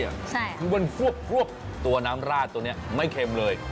คือมันฟวบตัวน้ำราดตัวนี้ไม่เค็มเลย